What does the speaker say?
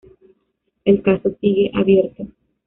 El caso sigue abierto.